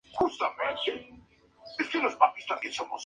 Sus películas fueron en numerosas ocasiones galardonadas y premiadas.